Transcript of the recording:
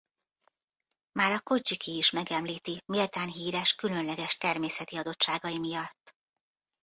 Már a Kodzsiki is megemlíti méltán híres különleges természeti adottságai miatt.